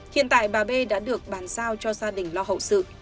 hiện tại bà b đã được bàn giao cho gia đình lo hậu sự